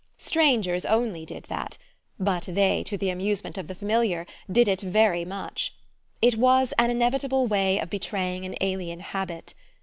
Strangers only did that; but they, to the amusement of the familiar, did it very much: it was an inevitable way of betraying an alien habit.